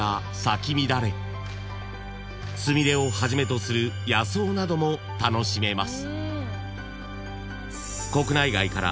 ［スミレをはじめとする野草なども楽しめます］